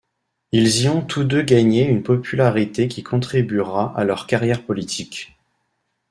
Ils y ont tous deux gagné une popularité qui contribuera à leur carrière politique.